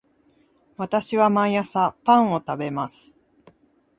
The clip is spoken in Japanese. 私は毎朝パンを食べます